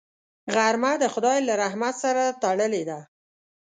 غرمه د خدای له رحمت سره تړلې ده